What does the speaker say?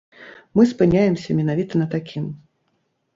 Мы спыняемся менавіта на такім.